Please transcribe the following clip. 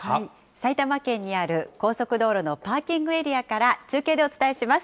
埼玉県にある高速道路のパーキングエリアから中継でお伝えします。